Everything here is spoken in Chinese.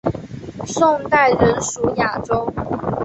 宋代仍属雅州。